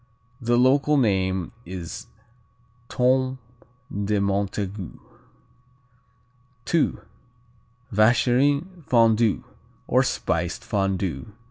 The local name is Tome de Montague. II. Vacherin Fondu, or Spiced Fondu.